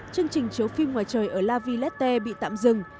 chương trình chiếu phim ngoài trời ở la villette bị tạm dừng